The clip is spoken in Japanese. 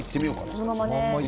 そのままね。